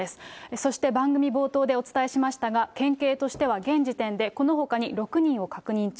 そして番組冒頭でお伝えしましたが、県警としては現時点で、このほかに６人を確認中。